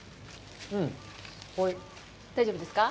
大丈夫ですか？